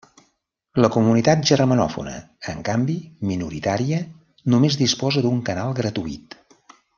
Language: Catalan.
La comunitat germanòfona, en canvi, minoritària, només disposa d'un canal gratuït.